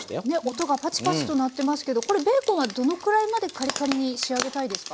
音がパチパチと鳴ってますけどこれベーコンはどのくらいまでカリカリに仕上げたいですか？